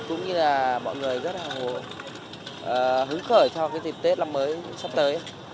cũng như là mọi người rất là hào hối hứng khởi cho dịp tết năm mới sắp tới